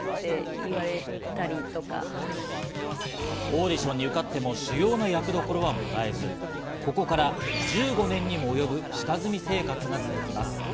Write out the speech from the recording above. オーディションに受かっても主要な役どころは貰えず、ここから１５年にも及ぶ下積み生活が続きます。